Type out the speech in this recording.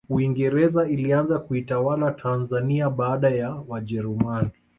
uingereza ilianza kuitawala tanzania baada ya wajerumani